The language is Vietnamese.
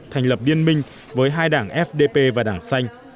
thành lập biên minh với hai đảng fdp và đảng xanh